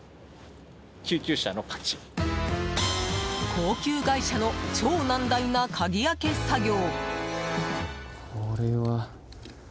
高級外車の超難題な鍵開け作業。